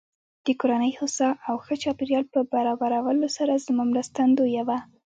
د کورنۍ هوسا او ښه چاپېريال په برابرولو سره زما مرستندويه وه.